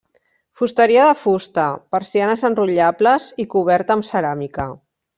Fusteria de fusta, persianes enrotllables i coberta amb ceràmica.